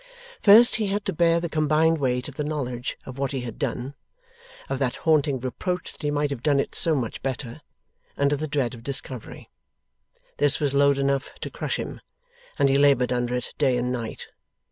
First, he had to bear the combined weight of the knowledge of what he had done, of that haunting reproach that he might have done it so much better, and of the dread of discovery. This was load enough to crush him, and he laboured under it day and night.